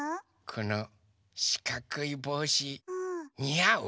このしかくいぼうしにあう？